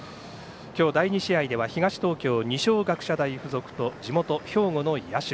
今日、第２試合では東東京、二松学舎大付属と地元・兵庫の社。